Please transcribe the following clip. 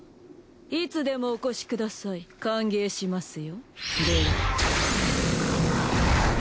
いつでもお越しください歓迎しますよでは。